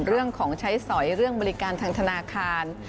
เรื่องของใช้สอยเรื่องบริการทางธนาคาร